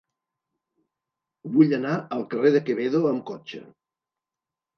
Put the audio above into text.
Vull anar al carrer de Quevedo amb cotxe.